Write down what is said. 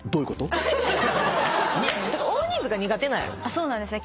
そうなんですよね。